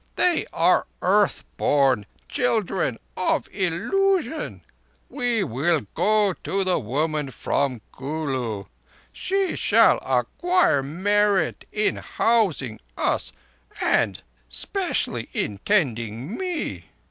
They are earth born—children of illusion. We will go to the woman from Kulu. She shall acquire merit in housing us, and specially in tending me.